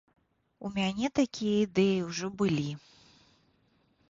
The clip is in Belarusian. У мяне такія ідэі ўжо былі.